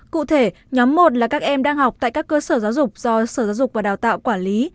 cụ thể nhóm một là các em đang học tại các cơ sở giáo dục do sở giáo dục và đào tạo quản lý